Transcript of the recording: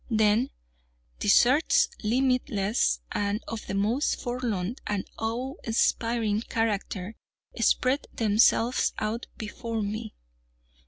Then deserts, limitless, and of the most forlorn and awe inspiring character, spread themselves out before me.